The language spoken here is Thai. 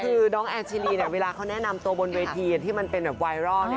คือน้องแอนชิลีเวลาเขาแนะนำตัวบนเวทีที่มันเป็นแบบไวรัล